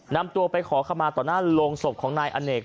นำตัวไปขอขมาต่อหน้าโรงศพของนายอเนก